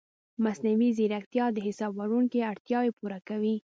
مصنوعي ځیرکتیا د حساب ورکونې اړتیا پیاوړې کوي.